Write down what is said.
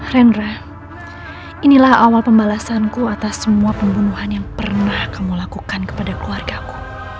rendra inilah awal pembalasanku atas semua pembunuhan yang pernah kamu lakukan kepada keluargaku